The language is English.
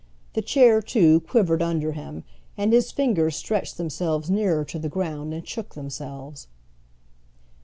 The chair, too, quivered under him, and his fingers stretched themselves nearer to the ground and shook themselves.